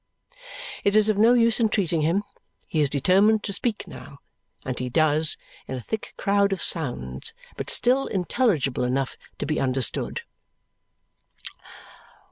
It is of no use entreating him; he is determined to speak now, and he does. In a thick crowd of sounds, but still intelligibly enough to be understood.